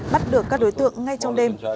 bắt được các đối tượng ngay trong đêm